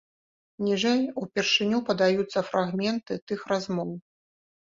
Ніжэй упершыню падаюцца фрагменты тых размоў.